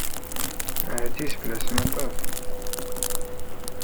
Ɛziz fell-asen aṭas.